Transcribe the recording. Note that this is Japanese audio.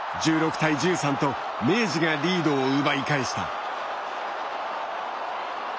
１６対１３と明治がリードを奪い返した。